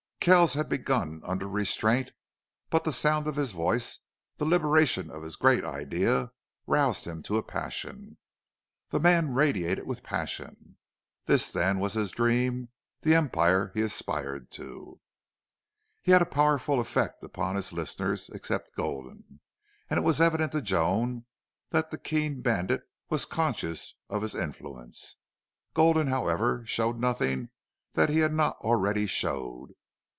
Kells had begun under restraint, but the sound of his voice, the liberation of his great idea, roused him to a passion. The man radiated with passion. This, then, was his dream the empire he aspired to. He had a powerful effect upon his listeners, except Gulden; and it was evident to Joan that the keen bandit was conscious of his influence. Gulden, however, showed nothing that he had not already showed.